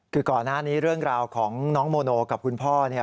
คือก่อนหน้านี้เรื่องราวของน้องโมโนกับคุณพ่อเนี่ย